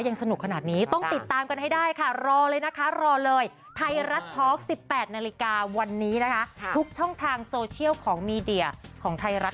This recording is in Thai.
ยิ่งพะวงยิ่งกดดันยิ่งแบบหลังก็พอไม่ได้ก็สะบด